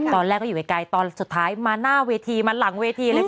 ตอนแรกก็อยู่ไกลตอนสุดท้ายมาหน้าเวทีมาหลังเวทีเลย